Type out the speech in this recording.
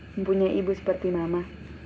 mempunyai ibu seperti mama